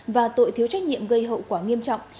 và tội thiếu trách nhiệm gây hậu quả nghiêm trọng